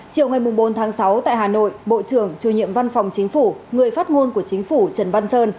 chiều ngày bốn tháng sáu tại hà nội bộ trưởng chủ nhiệm văn phòng chính phủ người phát ngôn của chính phủ trần văn sơn